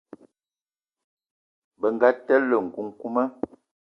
Bënga telé nkukuma.